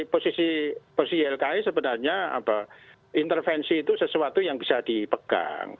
kalau dari posisi jlki sebenarnya intervensi itu sesuatu yang bisa dipegang